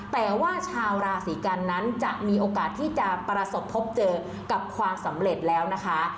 แต่ว่าชาวราศีกันนั้นจะมีโอกาสที่จะประสบพบเจอกับความสำเร็จแล้วนะคะ